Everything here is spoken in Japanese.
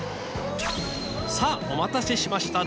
さあお待たせしました。